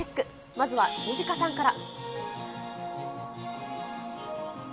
まずはニジカさんから。